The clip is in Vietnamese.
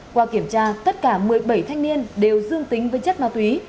qua kiểm tra tất cả một mươi bảy thanh niên đều dương tính với chất ma túy